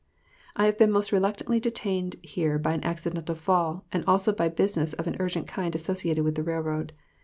I have been most reluctantly detained here by an accidental fall, and also by business of an urgent kind associated with the railroad.